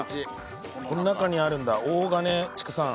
この中にあるんだ「大金畜産」。